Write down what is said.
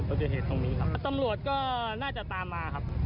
น่าจะเป็นของสายตรวจวิ่งผ่านมาครับ